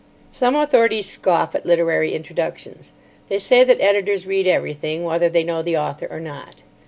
Some authorities scoff at literary introductions. They say that editors read everything, whether they know the author or not.